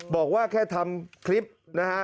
บอกว่าแค่ทำคลิปนะฮะ